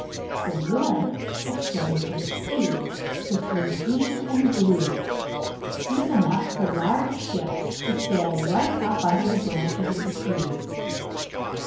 The wood extended to the sea, which was deep and blue, deep enough for large ships to sail up right under the branches of the trees.